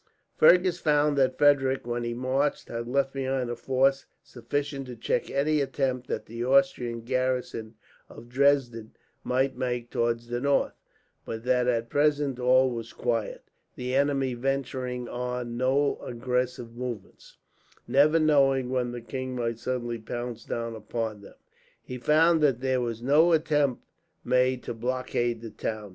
Fergus found that Frederick, when he marched, had left behind a force sufficient to check any attempt that the Austrian garrison of Dresden might make, towards the north; but that at present all was quiet, the enemy venturing on no aggressive movements, never knowing when the king might suddenly pounce down upon them. He found that there was no attempt made to blockade the town.